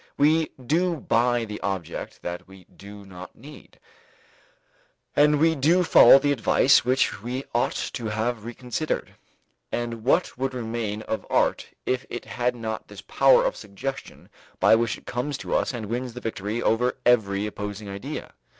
We do buy the object that we do not need, and we do follow the advice which we ought to have reconsidered. And what would remain of art if it had not this power of suggestion by which it comes to us and wins the victory over every opposing idea?